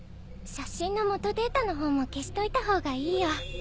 写真の元データの方も消しといた方がいいよ。